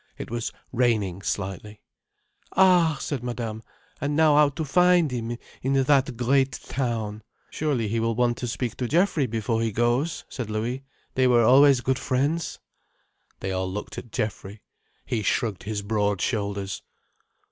It was raining slightly. "Ah!" said Madame. "And now how to find him, in that great town. I am afraid he will leave us without pity." "Surely he will want to speak to Geoffrey before he goes," said Louis. "They were always good friends." They all looked at Geoffrey. He shrugged his broad shoulders.